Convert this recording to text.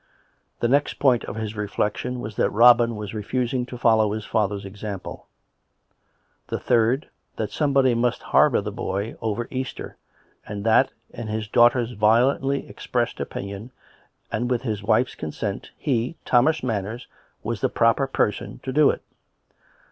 The next point for his reflection was that Robin was refusing to follow his father's example; the third, that somebody must harbour the boy over Easter, and that, in his daughter's violently expressed opinion, and with his wife's consent, he, Thomas Manners, was the proper person to do it.